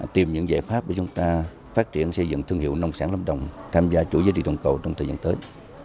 tìm những giải pháp để chúng ta phát triển xây dựng thương hiệu nông sản lâm đồng tham gia chuỗi giá trị toàn cầu trong thời gian tới